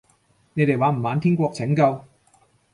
你哋玩唔玩天國拯救？